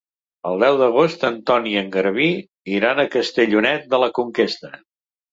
El deu d'agost en Ton i en Garbí iran a Castellonet de la Conquesta.